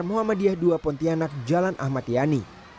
muhammadiyah ii pontianak jalan ahmadiyani